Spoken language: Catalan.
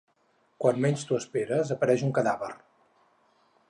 Quan menys t'ho esperes apareix un cadàver.